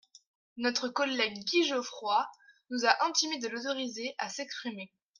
Notre collègue Guy Geoffroy nous a intimé de l’autoriser à s’exprimer.